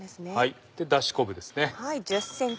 だし昆布ですね。